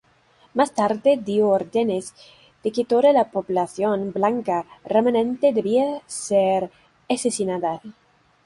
Más tarde dio órdenes de que toda la población blanca remanente debía ser asesinada.